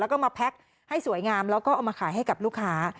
แล้วก็มาแพ็คให้สวยงามแล้วก็เอามาขายให้กับลูกค้า